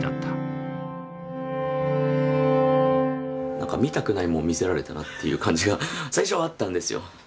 なんか見たくないもの見せられたなっていう感じが最初はあったんですよ。